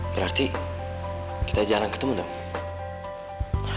berarti kita jarang ketemu dong